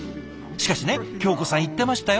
しかしね京子さん言ってましたよ。